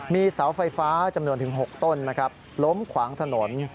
มีเสาไฟฟ้าจำนวนถึง๖ต้นนะครับล้มขวางถนน